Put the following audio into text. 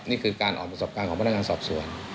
นี่คือการอ่อนประสบการณ์ของหัวหน้างานสอบส่วน